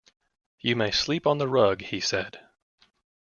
"You may sleep on the rug," he said.